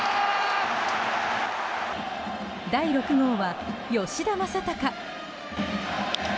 第６号は、吉田正尚。